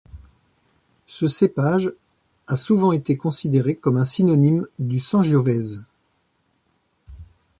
Ce cépage a souvent été considéré comme un synonyme du sangiovese.